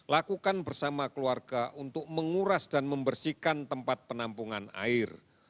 lakukan bersama keluarga untuk menguras dan membersihkan tempat penampungan air